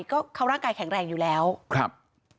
ก็เขาร่างกายแข็งแรงอยู่แล้วครับ